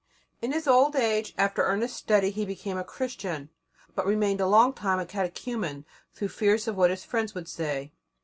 In his old age, after earnest study, he became a Christian, but remained a long time a catechumen through fears of what his friends would say.